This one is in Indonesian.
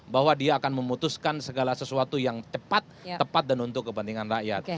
bahwa dia akan memutuskan segala sesuatu yang cepat tepat dan untuk kepentingan rakyat